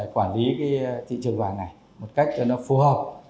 quản lý thị trường vàng này một cách cho nó phù hợp